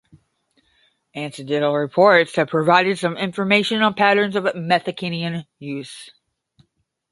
Anecdotal reports have provided some information on patterns of methcathinone use.